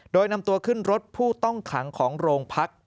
โดยนำตัวขึ้นรถผู้ต้องขังของโรงพัก